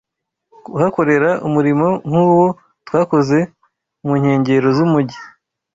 kuhakorera umurimo nk’uwo twakoze mu nkengero z’umujyi